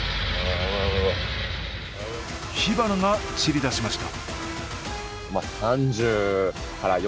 火花が散り出しました。